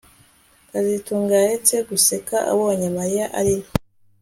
kazitunga yaretse guseka abonye Mariya arira